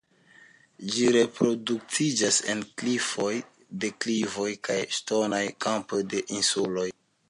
Ĝi reproduktiĝas en klifoj, deklivoj kaj ŝtonaj kampoj de insuloj.